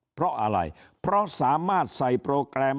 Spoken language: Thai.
เพราะอะไรเพราะสามารถใส่โปรแกรม